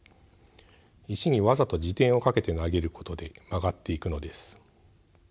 石にわざと自転をかけて投げることで曲がっていくのです。